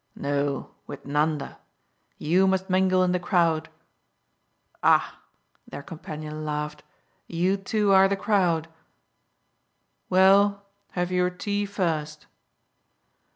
"No with Nanda. You must mingle in the crowd." "Ah," the their companion laughed, "you two are the crowd!" "Well have your tea first."